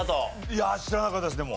いや知らなかったですでも。